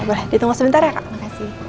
boleh ditunggu sebentar ya kak makasih